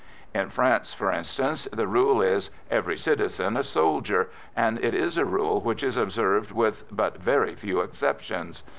In France, for instance, the rule is "every citizen a soldier," and it is a rule which is observed with but very few exceptions.